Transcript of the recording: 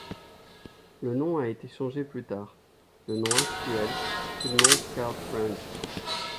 Le nom a été changé plus tard le nom actuel, Philmont Scout Ranch.